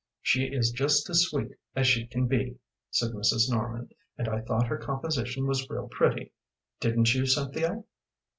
"She is just as sweet as she can be," said Mrs. Norman, "and I thought her composition was real pretty. Didn't you, Cynthia?"